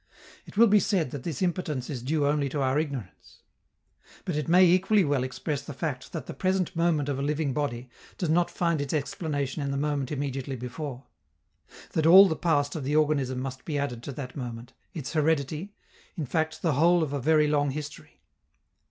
It will be said that this impotence is due only to our ignorance. But it may equally well express the fact that the present moment of a living body does not find its explanation in the moment immediately before, that all the past of the organism must be added to that moment, its heredity in fact, the whole of a very long history.